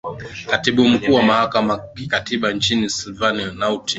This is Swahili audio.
katibu mkuu wa mahakama kikatiba nchini silvain nuatin